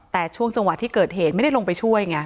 แต่ช่วงจังหวะที่เกิดเหตุไม่ได้ลงไปช่วยไง